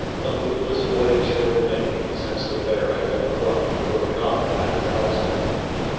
A bootless voyage they were making, since the fair had been abruptly broken up at its outset.